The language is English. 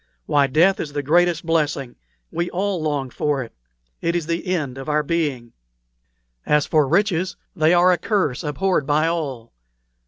Why, death is the greatest blessing. We all long for it; it is the end of our being. As for riches, they are a curse, abhorred by all.